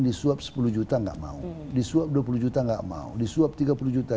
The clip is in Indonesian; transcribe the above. disuap sepuluh juta nggak mau disuap dua puluh juta nggak mau disuap tiga puluh juta